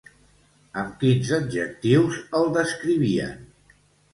Amb quins adjectius el descrivien?